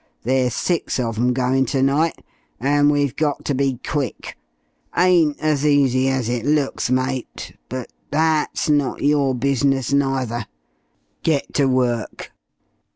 There's six of 'em goin' ternight, and we've got ter be quick. Ain't as easy as it looks, mate, but that's not your business neither. Get ter work!"